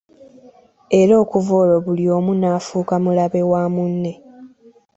Era okuva olwo buli omu n'afuuka mulabe wa mune!